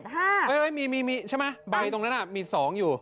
เฮ้ยมีใช่ไหมใบตรงนั้นมี๒อยู่